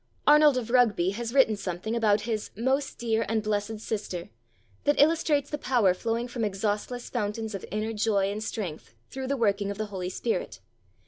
Arnold of Rugby has written something about his "most dear and blessed sister" that illustrates the power flowing from exhaustless fountains of inner joy and strength through the working of the Holy Spirit.